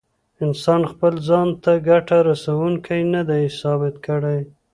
انسان خپل ځان ګټه رسوونکی نه دی ثابت کړی.